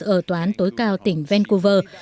ở tòa án tối cao tỉnh vancouver